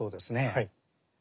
はい。